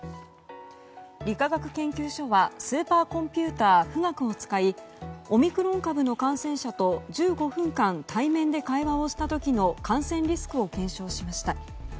理化学研究所はスーパーコンピューター「富岳」を使いオミクロン株の感染者と１５分間対面で会話をした時の感染リスクを検証しました。